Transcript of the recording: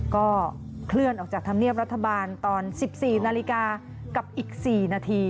ก็เคลื่อนออกจากธรรมเนียบรัฐบาลตอน๑๔นาฬิกากับอีก๔นาที